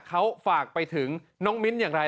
เขาฝากไปถึงน้องมิ้นอย่างไร